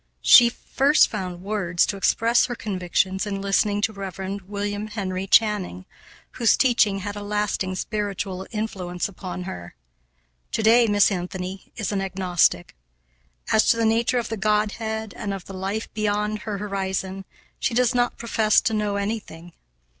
She first found words to express her convictions in listening to Rev. William Henry Channing, whose teaching had a lasting spiritual influence upon her. To day Miss Anthony is an agnostic. As to the nature of the Godhead and of the life beyond her horizon she does not profess to know anything.